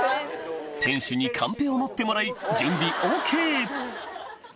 店主にカンペを持ってもらい準備ＯＫ